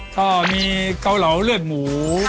ก็มีเกาเหลาเลือดหมู